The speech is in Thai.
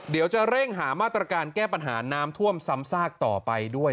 เดี๋ยวจะเร่งหามาตรการแก้ปัญหาน้ำท่วมซ้ำซากต่อไปด้วย